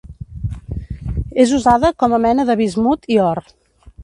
És usada com a mena de bismut i or.